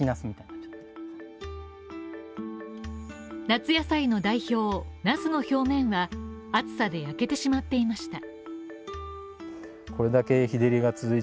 夏野菜の代表、なすの表面は暑さで焼けてしまっていました。